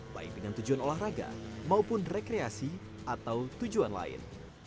baik dengan tujuan olahraga maupun rekreasi atau tujuan lain